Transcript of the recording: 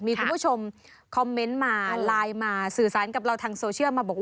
มีคุณผู้ชมคอมเมนต์มาไลน์มาสื่อสารกับเราทางโซเชียลมาบอกว่า